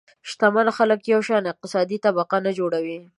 شتمن خلک یو شان اقتصادي طبقه نه جوړوي.